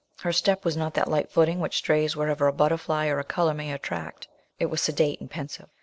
Her step was not that light footing, which strays where'er a butterfly or a colour may attract it was sedate and pensive.